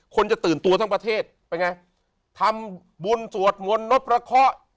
คนจะตื่นตัวทั้งประเทศไปไงทำบุญสวดมณพระเคาะ